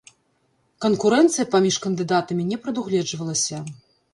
Канкурэнцыя паміж кандыдатамі не прадугледжвалася.